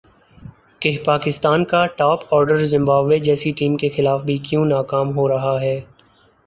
کہ پاکستان کا top order Zimbabwe جیسی ٹیم کے خلاف بھی کیوں ناکام ہو رہا ہے